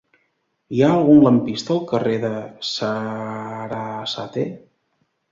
Hi ha algun lampista al carrer de Sarasate?